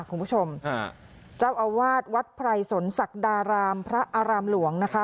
คุณผู้ชมเจ้าอาวาสวัดไพรสนศักดารามพระอารามหลวงนะคะ